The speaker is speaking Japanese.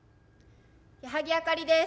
矢作あかりです。